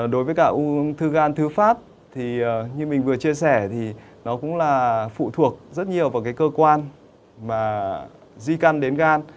đối với cả ung thư gan thứ phát như mình vừa chia sẻ nó cũng phụ thuộc rất nhiều vào cơ quan di căn đến gan